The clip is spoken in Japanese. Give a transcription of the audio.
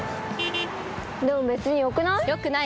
でも別によくない？